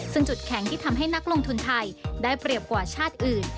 ซึ่งจุดแข็งที่ทำให้นักลงทุนไทยได้เปรียบกว่าชาติอื่น